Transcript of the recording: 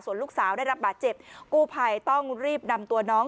ลูกสาวได้รับบาดเจ็บกู้ภัยต้องรีบนำตัวน้อง